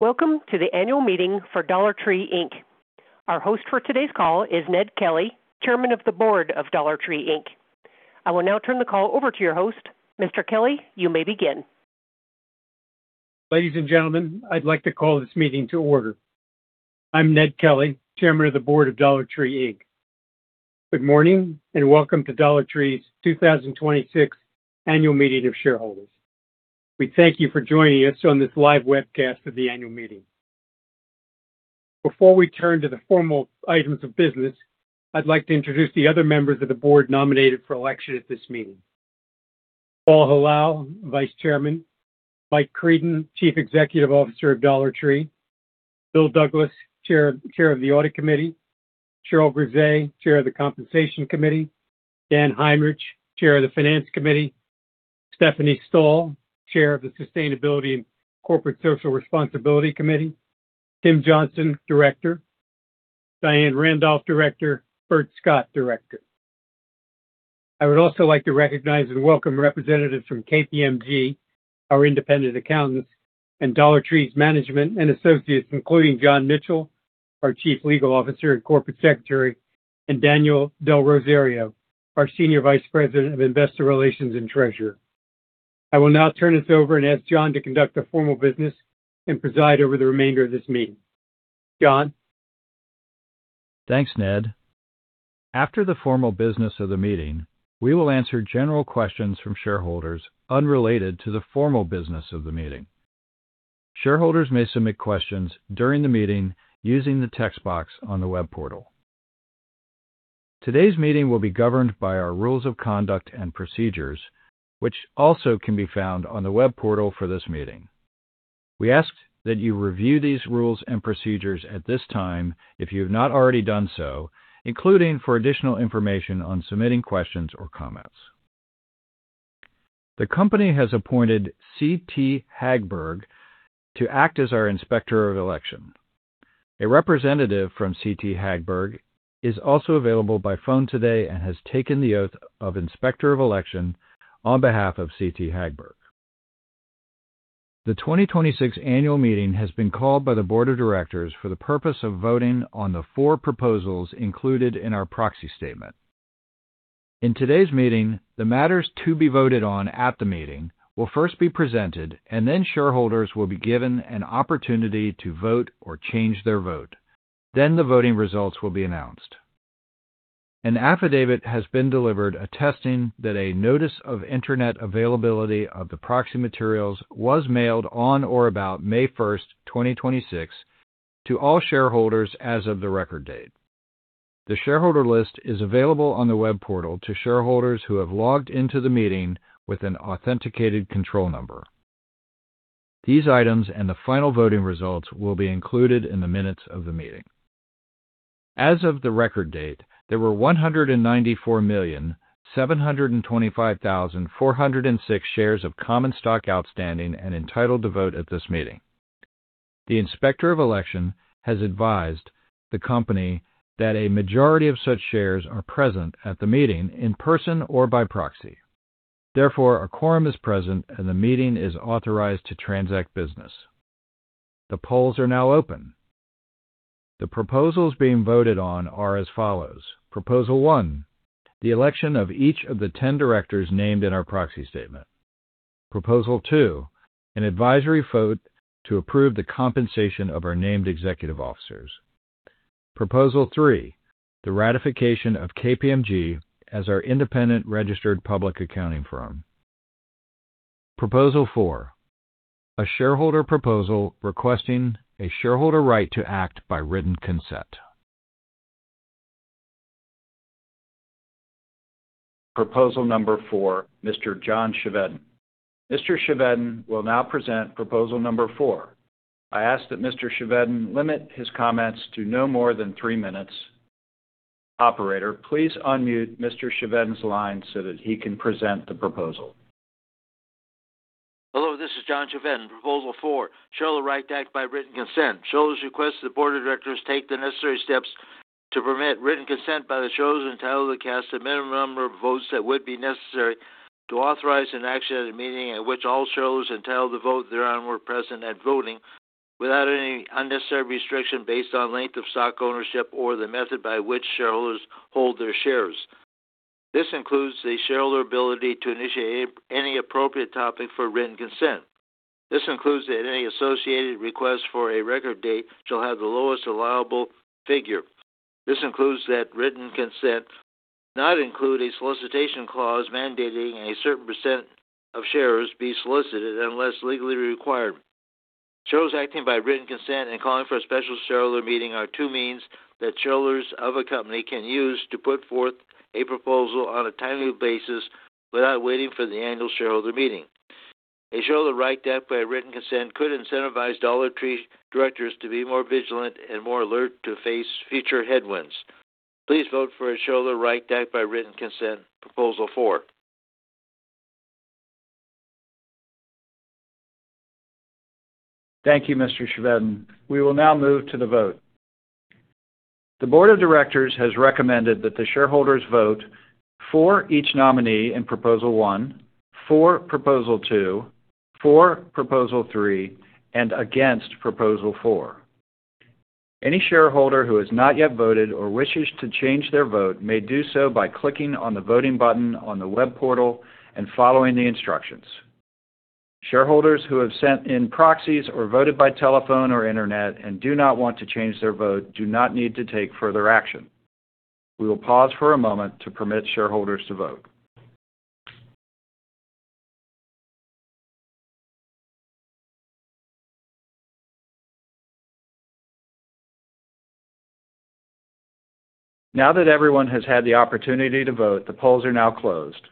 Welcome to the annual meeting for Dollar Tree, Inc. Our host for today's call is Ned Kelly, Chairman of the Board of Dollar Tree, Inc. I will now turn the call over to your host. Mr. Kelly, you may begin. Ladies and gentlemen, I'd like to call this meeting to order. I'm Ned Kelly, Chairman of the Board of Dollar Tree, Inc. Good morning, and welcome to Dollar Tree's 2026 annual meeting of shareholders. We thank you for joining us on this live webcast of the annual meeting. Before we turn to the formal items of business, I'd like to introduce the other members of the Board nominated for election at this meeting. Paul Hilal, Vice Chairman. Mike Creedon, Chief Executive Officer of Dollar Tree. Bill Douglas, Chair of the Audit Committee. Cheryl Grisé, Chair of the Compensation Committee. Dan Heinrich, Chair of the Finance Committee. Stephanie Stahl, Chair of the Sustainability and Corporate Social Responsibility Committee. Tim Johnson, Director. Diane Randolph, Director. Burt Scott, Director. I would also like to recognize and welcome representatives from KPMG, our independent accountants, and Dollar Tree's management and associates, including John Mitchell, our Chief Legal Officer and Corporate Secretary, and Daniel Delrosario, our Senior Vice President of Investor Relations and Treasurer. I will now turn this over and ask John to conduct the formal business and preside over the remainder of this meeting. John? Thanks, Ned. After the formal business of the meeting, we will answer general questions from shareholders unrelated to the formal business of the meeting. Shareholders may submit questions during the meeting using the text box on the web portal. Today's meeting will be governed by our rules of conduct and procedures, which also can be found on the web portal for this meeting. We ask that you review these rules and procedures at this time if you have not already done so, including for additional information on submitting questions or comments. The company has appointed CT Hagberg to act as our Inspector of Election. A representative from CT Hagberg is also available by phone today and has taken the oath of Inspector of Election on behalf of CT Hagberg. The 2026 annual meeting has been called by the board of directors for the purpose of voting on the four proposals included in our proxy statement. In today's meeting, the matters to be voted on at the meeting will first be presented, shareholders will be given an opportunity to vote or change their vote. The voting results will be announced. An affidavit has been delivered attesting that a notice of Internet availability of the proxy materials was mailed on or about May 1st, 2026 to all shareholders as of the record date. The shareholder list is available on the web portal to shareholders who have logged into the meeting with an authenticated control number. These items and the final voting results will be included in the minutes of the meeting. As of the record date, there were 194,725,406 shares of common stock outstanding and entitled to vote at this meeting. The inspector of election has advised the company that a majority of such shares are present at the meeting in person or by proxy. A quorum is present and the meeting is authorized to transact business. The polls are now open. The proposals being voted on are as follows. Proposal one, the election of each of the 10 directors named in our proxy statement. Proposal two, an advisory vote to approve the compensation of our named executive officers. Proposal three, the ratification of KPMG as our independent registered public accounting firm. Proposal four, a shareholder proposal requesting a shareholder right to act by written consent. Proposal number four, Mr. John Chevedden. Mr. Chevedden will now present proposal number four. I ask that Mr. Chevedden limit his comments to no more than three minutes. Operator, please unmute Mr. Chevedden's line so that he can present the proposal. Hello, this is John Chevedden. Proposal four, shareholder right to act by written consent. Shareholders request the board of directors take the necessary steps to permit written consent by the shareholders entitled to cast the minimum number of votes that would be necessary to authorize an action at a meeting at which all shareholders entitled to vote thereon were present at voting, without any unnecessary restriction based on length of stock ownership or the method by which shareholders hold their shares. This includes the shareholder ability to initiate any appropriate topic for written consent. This includes that any associated request for a record date shall have the lowest allowable figure. This includes that written consent not include a solicitation clause mandating a certain percent of shares be solicited unless legally required. Shareholders acting by written consent and calling for a special shareholder meeting are two means that shareholders of a company can use to put forth a proposal on a timely basis without waiting for the annual shareholder meeting. A shareholder right to act by written consent could incentivize Dollar Tree directors to be more vigilant and more alert to face future headwinds. Please vote for a shareholder right to act by written consent, proposal four. Thank you, Mr. Chevedden. We will now move to the vote. The board of directors has recommended that the shareholders vote for each nominee in proposal one, for proposal two, for proposal three, and against proposal four. Any shareholder who has not yet voted or wishes to change their vote may do so by clicking on the voting button on the web portal and following the instructions. Shareholders who have sent in proxies or voted by telephone or internet and do not want to change their vote do not need to take further action. We will pause for a moment to permit shareholders to vote. Now that everyone has had the opportunity to vote, the polls are now closed.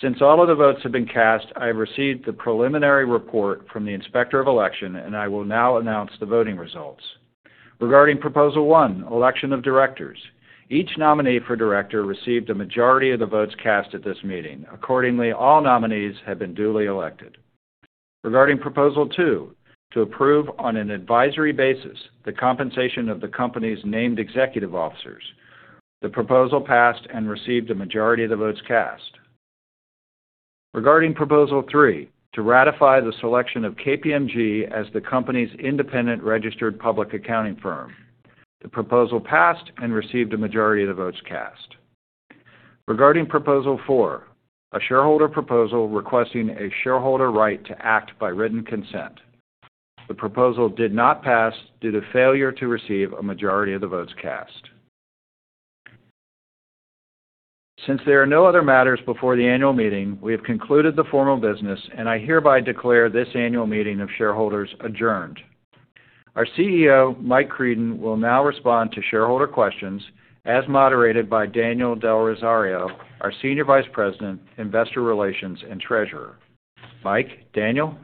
Since all of the votes have been cast, I have received the preliminary report from the Inspector of Election, and I will now announce the voting results. Regarding proposal one, election of directors. Each nominee for director received a majority of the votes cast at this meeting. Accordingly, all nominees have been duly elected. Regarding proposal two, to approve on an advisory basis the compensation of the company's named executive officers. The proposal passed and received a majority of the votes cast. Regarding proposal three, to ratify the selection of KPMG as the company's independent registered public accounting firm. The proposal passed and received a majority of the votes cast. Regarding proposal four, a shareholder proposal requesting a shareholder right to act by written consent. The proposal did not pass due to failure to receive a majority of the votes cast. Since there are no other matters before the annual meeting, we have concluded the formal business, and I hereby declare this annual meeting of shareholders adjourned. Our CEO, Mike Creedon, will now respond to shareholder questions as moderated by Daniel Delrosario, our Senior Vice President, Investor Relations, and Treasurer. Mike, Daniel.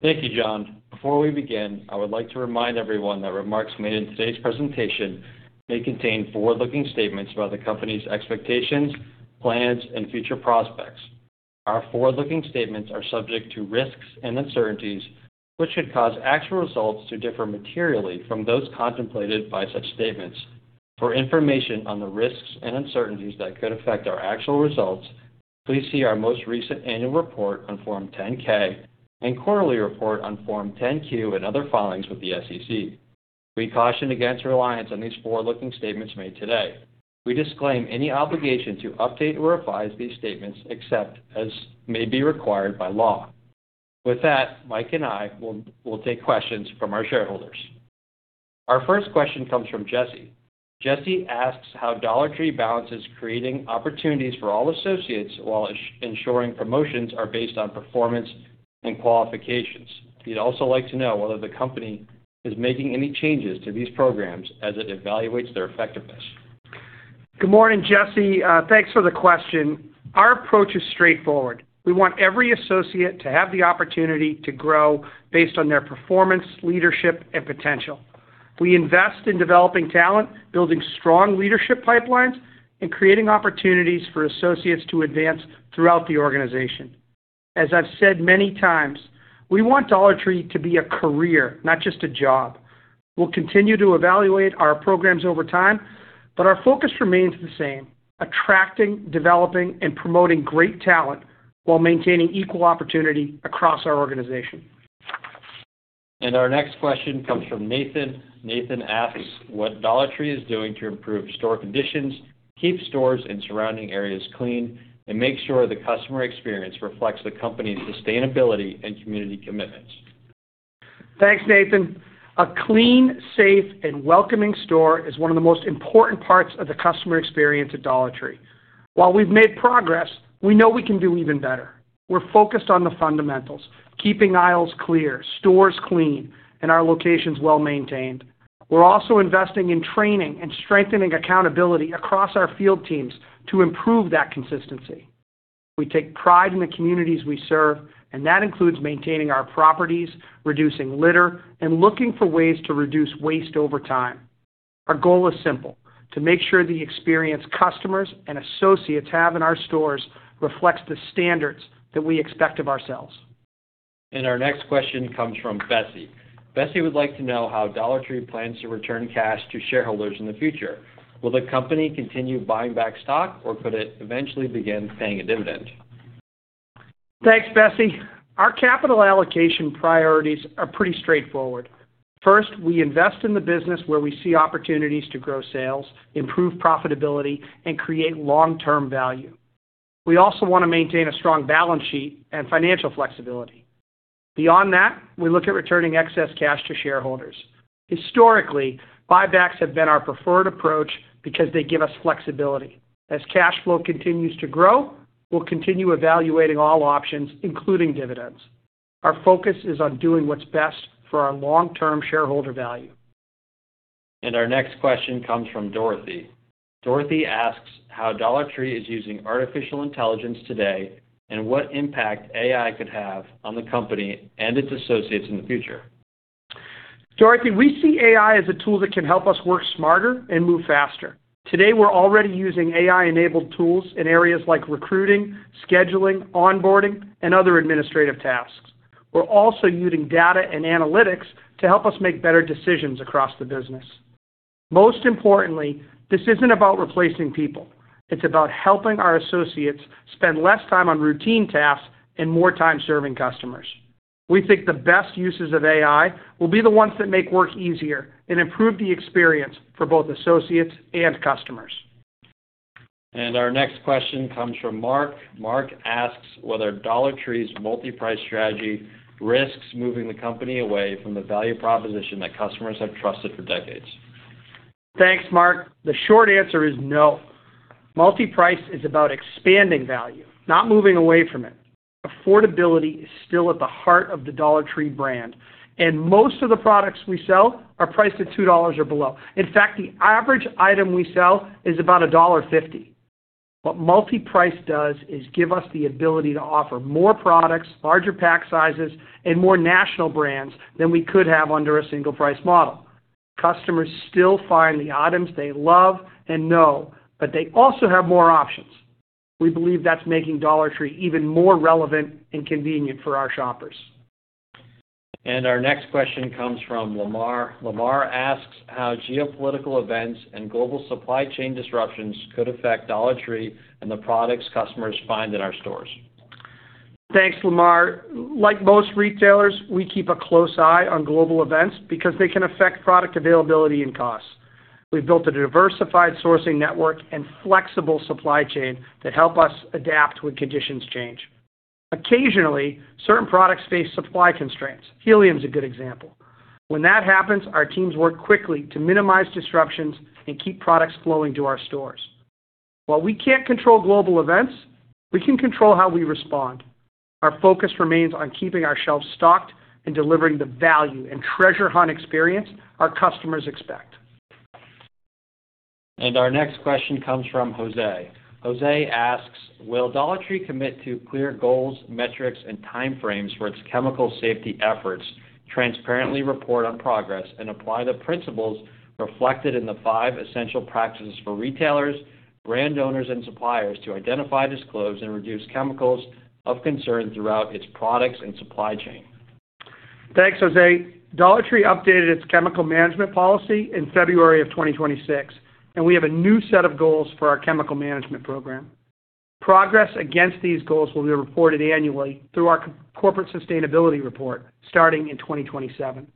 Thank you, John. Before we begin, I would like to remind everyone that remarks made in today's presentation may contain forward-looking statements about the company's expectations, plans, and future prospects. Our forward-looking statements are subject to risks and uncertainties, which could cause actual results to differ materially from those contemplated by such statements. For information on the risks and uncertainties that could affect our actual results, please see our most recent annual report on Form 10-K and quarterly report on Form 10-Q and other filings with the SEC. We caution against reliance on these forward-looking statements made today. We disclaim any obligation to update or revise these statements except as may be required by law. With that, Mike and I will take questions from our shareholders. Our first question comes from Jesse. Jesse asks how Dollar Tree balances creating opportunities for all associates while ensuring promotions are based on performance and qualifications. He'd also like to know whether the company is making any changes to these programs as it evaluates their effectiveness. Good morning, Jesse. Thanks for the question. Our approach is straightforward. We want every associate to have the opportunity to grow based on their performance, leadership, and potential. We invest in developing talent, building strong leadership pipelines, and creating opportunities for associates to advance throughout the organization. As I've said many times, we want Dollar Tree to be a career, not just a job. We'll continue to evaluate our programs over time, but our focus remains the same, attracting, developing, and promoting great talent while maintaining equal opportunity across our organization. Our next question comes from Nathan. Nathan asks what Dollar Tree is doing to improve store conditions, keep stores and surrounding areas clean, and make sure the customer experience reflects the company's sustainability and community commitments. Thanks, Nathan. A clean, safe, and welcoming store is one of the most important parts of the customer experience at Dollar Tree. While we've made progress, we know we can do even better. We're focused on the fundamentals, keeping aisles clear, stores clean, and our locations well-maintained. We're also investing in training and strengthening accountability across our field teams to improve that consistency. We take pride in the communities we serve, and that includes maintaining our properties, reducing litter, and looking for ways to reduce waste over time. Our goal is simple, to make sure the experience customers and associates have in our stores reflects the standards that we expect of ourselves. Our next question comes from Bessie. Bessie would like to know how Dollar Tree plans to return cash to shareholders in the future. Will the company continue buying back stock, or could it eventually begin paying a dividend? Thanks, Bessie. Our capital allocation priorities are pretty straightforward. First, we invest in the business where we see opportunities to grow sales, improve profitability, and create long-term value. We also want to maintain a strong balance sheet and financial flexibility. Beyond that, we look at returning excess cash to shareholders. Historically, buybacks have been our preferred approach because they give us flexibility. As cash flow continues to grow, we'll continue evaluating all options, including dividends. Our focus is on doing what's best for our long-term shareholder value. Our next question comes from Dorothy. Dorothy asks how Dollar Tree is using artificial intelligence today and what impact AI could have on the company and its associates in the future. Dorothy, we see AI as a tool that can help us work smarter and move faster. Today, we're already using AI-enabled tools in areas like recruiting, scheduling, onboarding, and other administrative tasks. We're also using data and analytics to help us make better decisions across the business. Most importantly, this isn't about replacing people. It's about helping our associates spend less time on routine tasks and more time serving customers. We think the best uses of AI will be the ones that make work easier and improve the experience for both associates and customers. Our next question comes from Mark. Mark asks whether Dollar Tree's multi-price strategy risks moving the company away from the value proposition that customers have trusted for decades. Thanks, Mark. The short answer is no. Multi-price is about expanding value, not moving away from it. Affordability is still at the heart of the Dollar Tree brand, and most of the products we sell are priced at $2 or below. In fact, the average item we sell is about $1.50. What multi-price does is give us the ability to offer more products, larger pack sizes, and more national brands than we could have under a single-price model. Customers still find the items they love and know, but they also have more options. We believe that's making Dollar Tree even more relevant and convenient for our shoppers. Our next question comes from Lamar. Lamar asks how geopolitical events and global supply chain disruptions could affect Dollar Tree and the products customers find in our stores. Thanks, Lamar. Like most retailers, we keep a close eye on global events because they can affect product availability and costs. We've built a diversified sourcing network and flexible supply chain to help us adapt when conditions change. Occasionally, certain products face supply constraints. Helium is a good example. When that happens, our teams work quickly to minimize disruptions and keep products flowing to our stores. While we can't control global events, we can control how we respond. Our focus remains on keeping our shelves stocked and delivering the value and treasure hunt experience our customers expect. Our next question comes from Jose. Jose asks, will Dollar Tree commit to clear goals, metrics, and time frames for its chemical safety efforts, transparently report on progress, and apply the principles reflected in the Five Essential Practices for Retailers, Brand Owners and Suppliers to identify, disclose, and reduce chemicals of concern throughout its products and supply chain? Thanks, Jose. Dollar Tree updated its chemical management policy in February of 2026. We have a new set of goals for our chemical management program. Progress against these goals will be reported annually through our corporate sustainability report starting in 2027.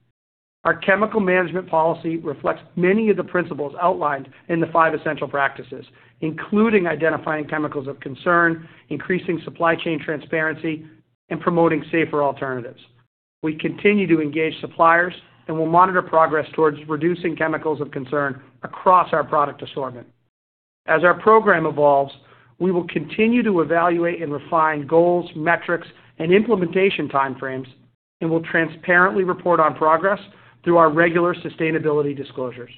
Our chemical management policy reflects many of the principles outlined in the Five Essential Practices for Retailers, Brand Owners and Suppliers, including identifying chemicals of concern, increasing supply chain transparency, and promoting safer alternatives. We continue to engage suppliers and will monitor progress towards reducing chemicals of concern across our product assortment. As our program evolves, we will continue to evaluate and refine goals, metrics, and implementation time frames. We'll transparently report on progress through our regular sustainability disclosures.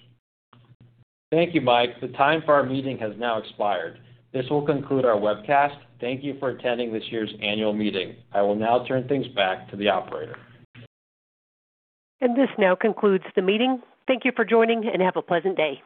Thank you, Mike. The time for our meeting has now expired. This will conclude our webcast. Thank you for attending this year's annual meeting. I will now turn things back to the operator. This now concludes the meeting. Thank you for joining, and have a pleasant day.